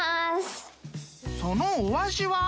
［そのお味は？］